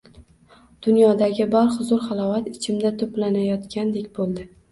Dunyodagi bor huzur-halovat ichimda to‘planayotgandek bo‘ldi